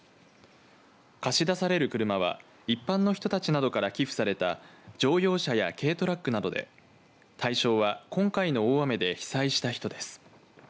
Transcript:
貸し出される車は一般の人たちなどから寄付された乗用車や軽トラックなどで対象は今回の大雨で被災した人です。